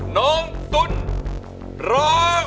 น้องตุ๋นร้อง